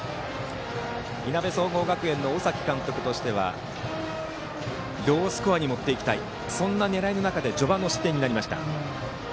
いなべ総合学園の尾崎監督としてはロースコアに持っていきたいという狙いの中で序盤の失点になりました。